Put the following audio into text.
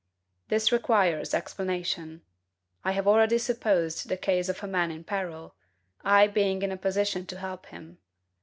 This requires explanation. I have already supposed the case of a man in peril, I being in a position to help him.